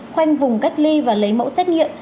khoanh vùng cách ly và lấy mẫu xét nghiệm